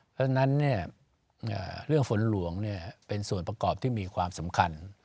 เพราะฉะนั้นเรื่องฝนหลวงเป็นส่วนประกอบที่มีความสำคัญ